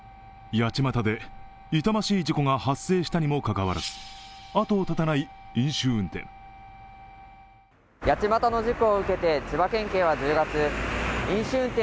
八街で痛ましい事故が発生したにもかかわらず、後を絶たない飲酒運転。